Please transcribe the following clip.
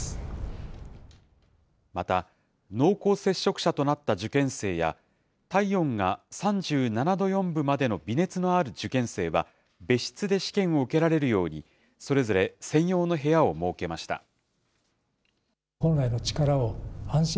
また、濃厚接触者となった受験生や、体温が３７度４分までの微熱のある受験生は、別室で試験を受けられるように、それぞれ専用の部屋を設けました。